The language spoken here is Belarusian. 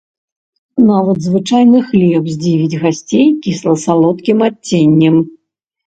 Нават звычайны хлеб здзівіць гасцей кісла-салодкім адценнем.